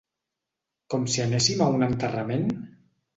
Com si anéssim a un enterrament?